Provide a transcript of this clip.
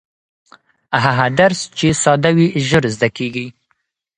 هغه درس چې ساده وي ژر زده کېږي.